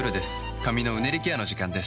髪のうねりケアの時間です。